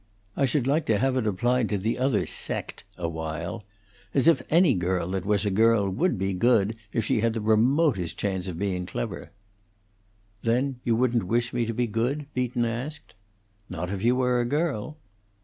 I should like to have it applied to the other 'sect' a while. As if any girl that was a girl would be good if she had the remotest chance of being clever." "Then you wouldn't wish me to be good?" Beaton asked. "Not if you were a girl."